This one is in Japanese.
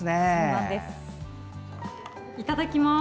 いただきます。